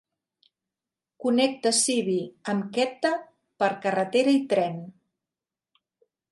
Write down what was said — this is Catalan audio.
Connecta Sibi amb Quetta per carretera i tren.